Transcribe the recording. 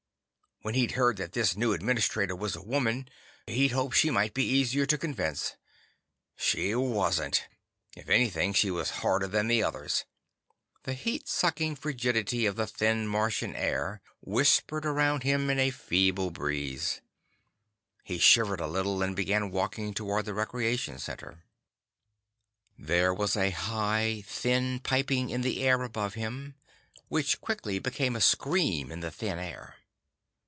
When he'd heard that this new administrator was a woman, he'd hoped she might be easier to convince. She wasn't. If anything, she was harder than the others. The heat sucking frigidity of the thin Martian air whispered around him in a feeble breeze. He shivered a little and began walking toward the recreation center. There was a high, thin piping in the sky above him which quickly became a scream in the thin air.